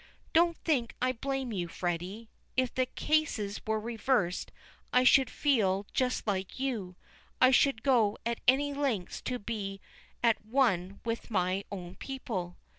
Don't think I blame you, Freddy. If the cases were reversed I should feel just like you. I should go to any lengths to be at one with my own people."